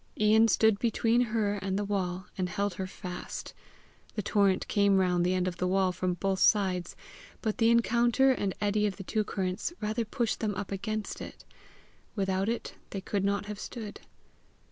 Ian stood between her and the wall, and held her fast. The torrent came round the end of the wall from both sides, but the encounter and eddy of the two currents rather pushed them up against it. Without it they could not have stood.